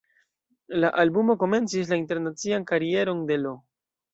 La albumo komencis la internacian karieron de Lo.